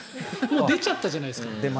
もう出ちゃったじゃないですか。